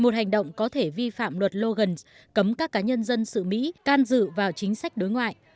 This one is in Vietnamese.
một hành động có thể vi phạm luật logen cấm các cá nhân dân sự mỹ can dự vào chính sách đối ngoại